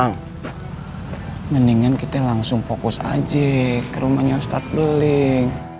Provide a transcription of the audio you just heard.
mendingan kita langsung fokus aja ke rumahnya ustadz duling